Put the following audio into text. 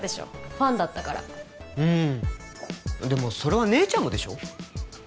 ファンだったからうんでもそれは姉ちゃんもでしょ？